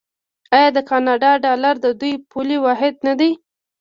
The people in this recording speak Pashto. آیا د کاناډا ډالر د دوی پولي واحد نه دی؟